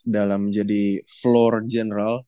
dalam menjadi floor general